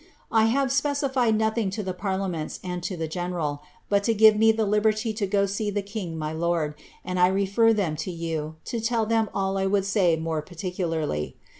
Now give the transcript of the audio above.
" I have specified nothing to the parliaments and to the general, bat to give me the liboity to go to see tlie king my lord ; and I refer them to you, to tell tlicm all I would say more particularly.